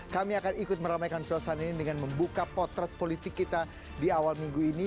kami akan ikut meramaikan suasana ini dengan membuka potret politik kita di awal minggu ini